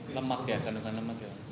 lemak ya kandungan lemak ya